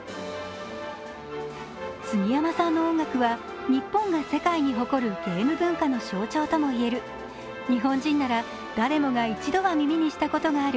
すぎやまさんの音楽は日本が世界に誇るゲーム文化の象徴ともいえる日本人なら誰もが一度は耳にしたことがある